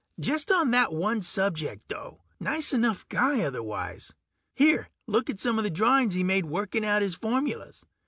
Just on that one subject, though; nice enough guy otherwise. Here, look at some of the drawings he made, working out his formulas.